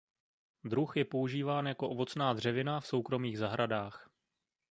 Druh je používán jako ovocná dřevina v soukromých zahradách.